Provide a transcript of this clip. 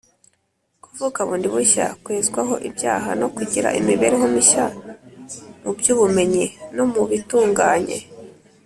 kuvuka bundi bushya, kwezwaho ibyaha, no kugira imibereho mishya mu by’ubumenyi no mu bitunganye